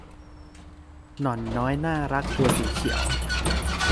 หนอนน้อยน่ารักตัวสีเขียว